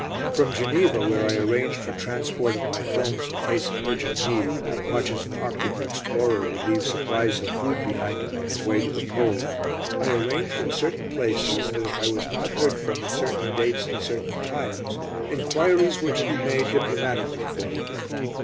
From Geneva, where I arranged for transport of my films in case of urgent need, much as an Arctic explorer would leave supplies of food behind him on his way to the Pole, I arranged in certain places that if I was not heard from at certain dates and certain times, enquiries were to be made, diplomatically, for me.